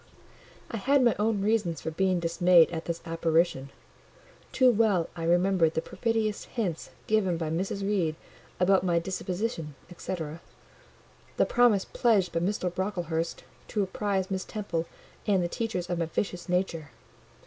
I had my own reasons for being dismayed at this apparition; too well I remembered the perfidious hints given by Mrs. Reed about my disposition, &c. the promise pledged by Mr. Brocklehurst to apprise Miss Temple and the teachers of my vicious nature.